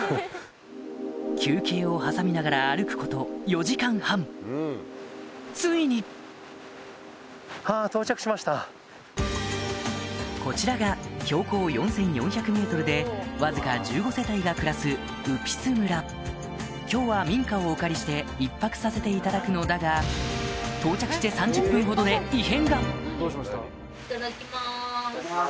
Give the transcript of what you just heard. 休憩を挟みながら歩くこと４時間半ついにこちらが標高４４００ｍでわずか１５世帯が暮らす今日は民家をお借りして一泊させていただくのだが到着していただきます。